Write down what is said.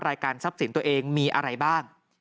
รายการทรัพย์สินตัวเองมีอะไรบ้าง